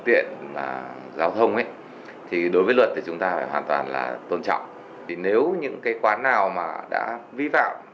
hợp giao thông đối với luật chúng ta phải hoàn toàn tôn trọng nếu những quán nào đã vi phạm